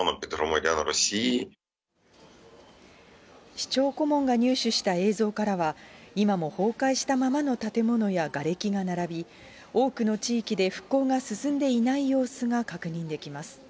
市長顧問が入手した映像からは、今も崩壊したままの建物やがれきが並び、多くの地域で復興が進んでいない様子が確認できます。